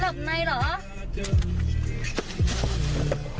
หลับในเหรอ